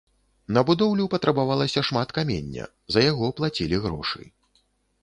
На будоўлю патрабавалася шмат камення, за яго плацілі грошы.